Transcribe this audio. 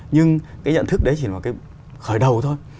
nhưng cái nhận thức đấy chỉ là cái khởi đầu thôi